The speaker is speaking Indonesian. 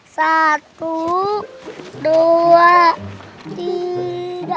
satu dua tiga